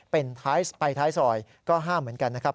เป็นไปท้ายซอยก็ห้ามเหมือนกันนะครับ